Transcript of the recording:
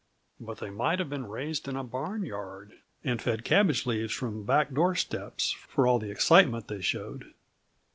But they might have been raised in a barnyard and fed cabbage leaves from back door steps, for all the excitement they showed.